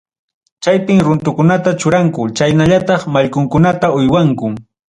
Chaypim runtukunata churanku chaynallataq mallkunkunata uywanku.